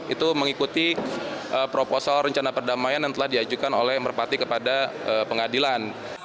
itu mengikuti proposal rencana perdamaian yang telah diajukan oleh merpati kepada pengadilan